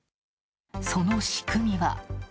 その仕組みは。